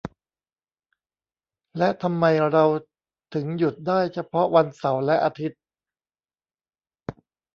และทำไมเราถึงหยุดได้เฉพาะวันเสาร์และอาทิตย์